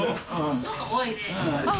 ちょっと多いね。